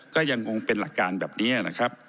ก็ยังคงเป็นหลักการแบบนี้นะครับ